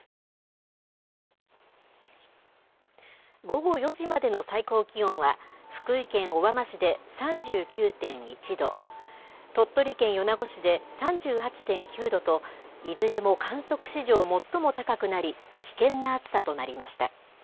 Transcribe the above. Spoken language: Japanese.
午後４時までの最高気温は、福井県小浜市で３９．１度、鳥取県米子市で３８．９度と、いずれも観測史上最も高くなり、危険な暑さとなりました。